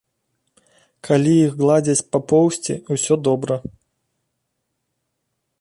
Калі іх гладзяць па поўсці, усё добра.